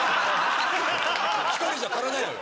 １人じゃ足らないのよ。